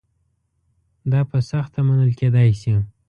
دا په سخته منل کېدای شي.